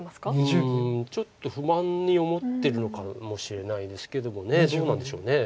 ちょっと不満に思ってるのかもしれないですけどもどうなんでしょう。